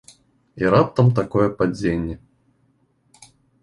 І раптам такое падзенне.